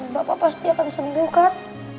bapak pasti akan sembuh kan